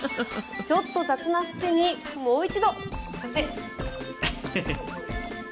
ちょっと雑な伏せにもう一度。